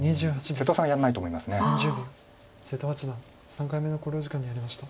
瀬戸八段３回目の考慮時間に入りました。